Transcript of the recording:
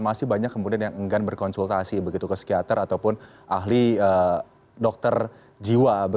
masih banyak kemudian yang enggan berkonsultasi begitu ke psikiater ataupun ahli dokter jiwa